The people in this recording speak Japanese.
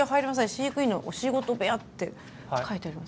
飼育員のお仕事部屋」って書いてあります。